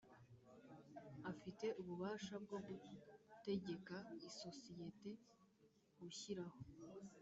afite ububasha bwo gutegeka isosiyete gushyiraho